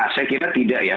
saya kira tidak ya